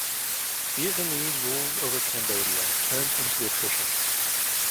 Vietnamese rules over Cambodia turned into attrition.